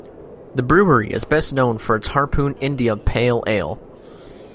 The brewery is best known for its Harpoon India Pale Ale.